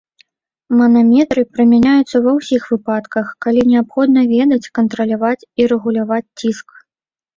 Манометры прымяняюцца ва ўсіх выпадках, калі неабходна ведаць, кантраляваць і рэгуляваць ціск.